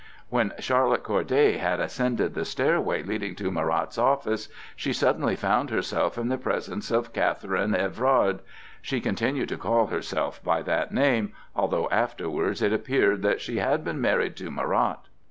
When Charlotte Corday had ascended the stairway leading to Marat's office, she suddenly found herself in the presence of Catherine Evrard—she continued to call herself by that name, although afterwards it appeared that she had been married to Marat.